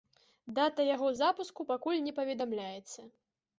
Дата яго запуску пакуль не паведамляецца.